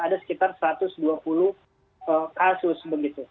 ada sekitar satu ratus dua puluh kasus begitu